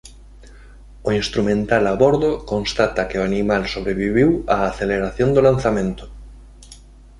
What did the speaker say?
O instrumental a bordo constata que o animal sobreviviu á aceleración do lanzamento.